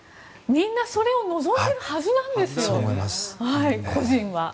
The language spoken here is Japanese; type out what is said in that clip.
みんなそれを望んでいるはずなんですよ個人は。